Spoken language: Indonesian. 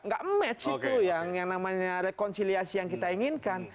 gak match itu yang namanya rekonsiliasi yang kita inginkan